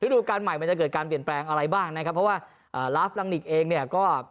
ดูการใหม่มันจะเกิดการเปลี่ยนแปลงอะไรบ้างนะครับเพราะว่าลาฟรังนิกเองเนี่ยก็